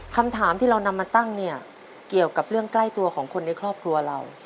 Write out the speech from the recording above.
คำถามที่เรานำมาตั้งเนี่ยเกี่ยวกับเรื่องใกล้ตัวของคนในครอบครัวเรา